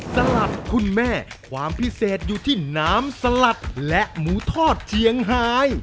สลัดคุณแม่ความพิเศษอยู่ที่น้ำสลัดและหมูทอดเจียงไฮ